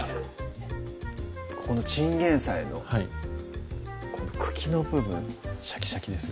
このチンゲン菜のこの茎の部分シャキシャキですよ